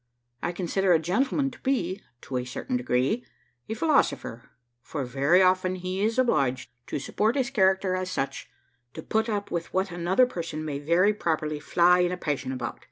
I consider a gentleman to be, to a certain degree, a philosopher; for very often he is obliged, to support his character as such, to put up with what another person may very properly fly in a passion about.